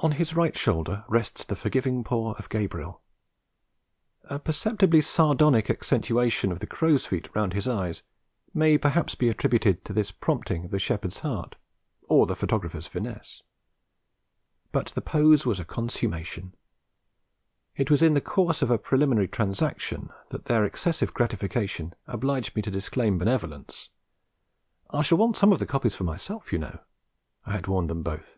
On his right shoulder rests the forgiving paw of Gabriel; a perceptibly sardonic accentuation of the crow's feet round his eyes may perhaps be attributed to this prompting of the shepherd's heart or the photographer's finesse. But the pose was a consummation; it was in the course of a preliminary transaction that their excessive gratification obliged me to disclaim benevolence. 'I shall want some of the copies for myself, you know,' I had warned them both.